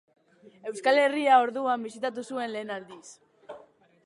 Euskal Herria orduan bisitatu zuen lehen aldiz.